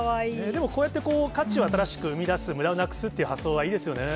でも、こうやって価値を新しく生み出す、むだをなくすっていう発想はいいですよね。